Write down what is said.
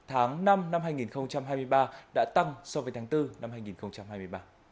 kim ngạch xuất khẩu tháng năm năm hai nghìn hai mươi ba đã tăng so với tháng bốn năm hai nghìn hai mươi ba